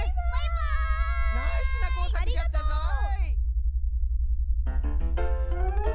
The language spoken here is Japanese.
ナイスなこうさくじゃったぞい。